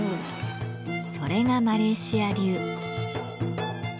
それがマレーシア流。